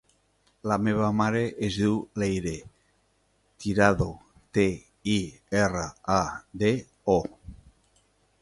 La meva mare es diu Leire Tirado: te, i, erra, a, de, o.